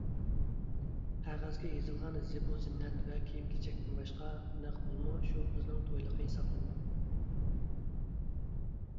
قەغەزگە يېزىلغان زىبۇ-زىننەت ۋە كىيىم-كېچەكتىن باشقا، نەق پۇلمۇ شۇ قىزنىڭ تويلۇقى ھېسابلىنىدۇ.